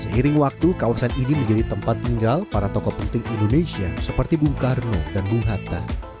seiring waktu kawasan ini menjadi tempat tinggal para tokoh penting indonesia seperti bung karno dan bung hatta